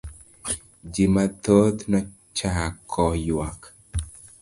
Ji mathoth nochako ywak….